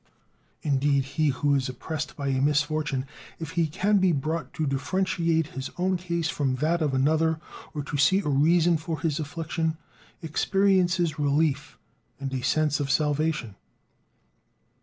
Indeed, he who is oppressed by a misfortune, if he can be brought to differentiate his own case from that of another, or to see a reason for his affliction, experiences relief, and a "sense of salvation."